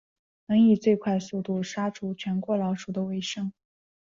能以最快速度杀除全窝老鼠的为胜。